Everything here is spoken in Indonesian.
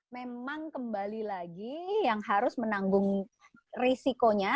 memang kembali lagi yang harus menanggung resikonya